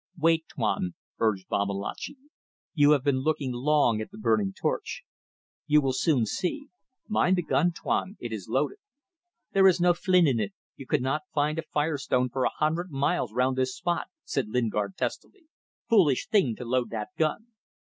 "Wait, Tuan," urged Babalatchi. "You have been looking long at the burning torch. You will soon see. Mind the gun, Tuan. It is loaded." "There is no flint in it. You could not find a fire stone for a hundred miles round this spot," said Lingard, testily. "Foolish thing to load that gun."